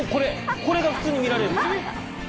これが普通に見られるんです。